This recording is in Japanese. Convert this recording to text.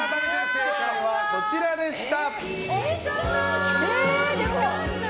正解はこちらでした。